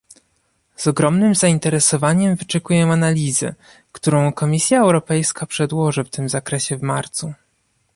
Z ogromnym zainteresowaniem wyczekuję analizy, którą Komisja Europejska przedłoży w tym zakresie w marcu